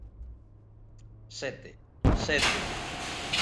Sete, ¡sete!